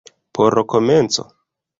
Por komenco?